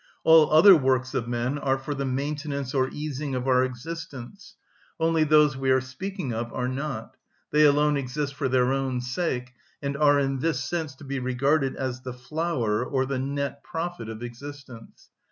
All other works of men are for the maintenance or easing of our existence; only those we are speaking of are not; they alone exist for their own sake, and are in this sense to be regarded as the flower or the net profit of existence.